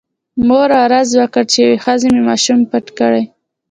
مور عرض وکړ چې یوې ښځې مې ماشوم پټ کړی.